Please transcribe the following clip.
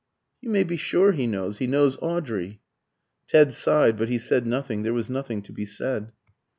"You may be sure he knows. He knows Audrey." Ted sighed, but he said nothing; there was nothing to be said.